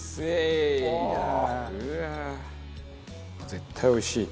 絶対おいしい。